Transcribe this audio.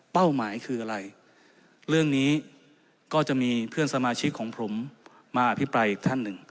หมายคืออะไรเรื่องนี้ก็จะมีเพื่อนสมาชิกของผมมาอภิปรายอีกท่านหนึ่ง